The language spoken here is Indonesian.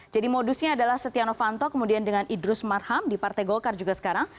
jadi modusnya adalah setia novanto kemudian dengan idrus marham di partai golkar juga sekarang